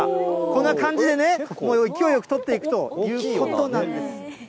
こんな感じでね、勢いよく取っていくということなんです。